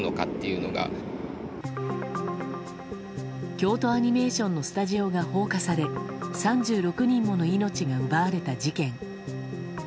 京都アニメーションのスタジオが放火され３６人もの命が奪われた事件。